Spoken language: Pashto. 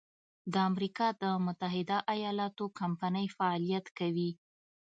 د امریکا د متحد ایلااتو کمپنۍ فعالیت کوي.